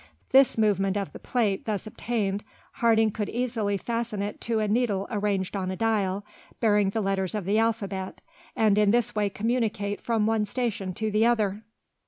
This movement of the plate thus obtained, Harding could easily fasten to it a needle arranged on a dial, bearing the letters of the alphabet, and in this way communicate from one station to the other.